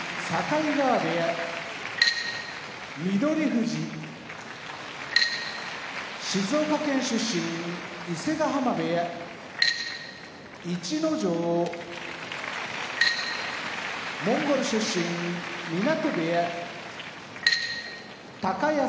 翠富士静岡県出身伊勢ヶ濱部屋逸ノ城モンゴル出身湊部屋高安